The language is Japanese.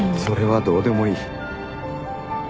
それはどうでもいい。